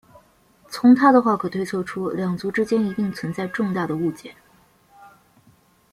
从她的话可推测出两族之间一定存在重大的误解。